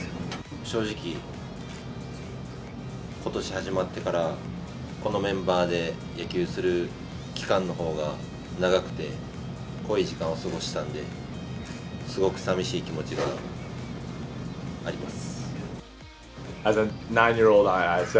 正直、ことし始まってから、このメンバーで野球する期間のほうが長くて、濃い時間を過ごしてたんで、すごくさみしい気持ちがあります。